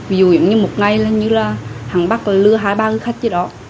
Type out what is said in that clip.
ví dụ như một ngày là như là hẳn bắt lừa hai ba người khách chứ đó